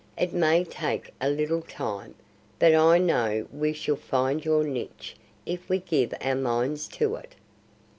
It may take a little time, but I know we shall find your niche if we give our minds to it."